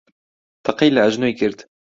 تەقەی لە ئەژنۆی کرد.